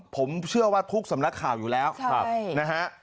ผมเชื่อว่าทุกสำนักข่าวอยู่แล้วนะฮะ